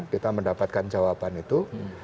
kita mendapatkan jawaban itu